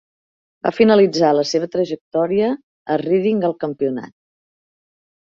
Va finalitzar la seva trajectòria a Reading al campionat.